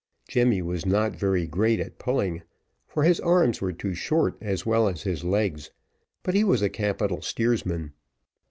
Jemmy was not very great at pulling, for his arms were too short as well as his legs, but he was a capital steersman.